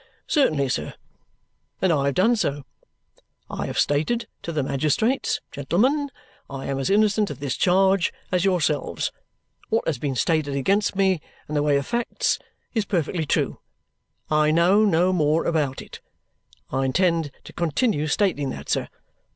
"Certainly, sir. And I have done so. I have stated to the magistrates, 'Gentlemen, I am as innocent of this charge as yourselves; what has been stated against me in the way of facts is perfectly true; I know no more about it.' I intend to continue stating that, sir.